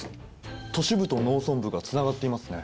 都市部と農村部がつながっていますね。